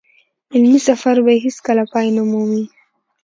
علمي سفر به يې هېڅ کله پای نه مومي.